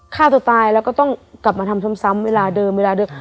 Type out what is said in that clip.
ฆ่าตัวตายแล้วก็ต้องกลับมาทำซ้ำเวลาเดิมเวลาเดิม